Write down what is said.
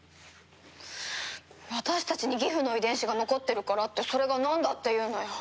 私たちにギフの遺伝子が残ってるからってそれがなんだっていうのよ？